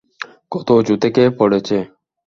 কত উঁচু থেকে পড়েছে?